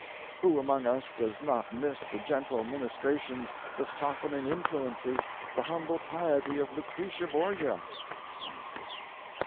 ] Who among us does not miss the gentle ministrations, the softening influences, the humble piety of Lucretia Borgia? [Laughter.